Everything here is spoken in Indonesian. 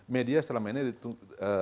media selama ini tugas utama